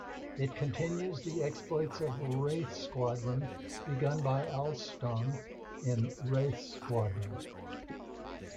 It continues the exploits of Wraith Squadron begun by Allston in "Wraith Squadron".